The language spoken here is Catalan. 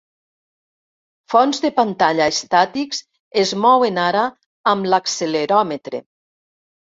Fons de pantalla estàtics es mouen ara amb l'acceleròmetre.